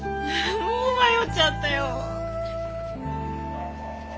もう迷っちゃったよ。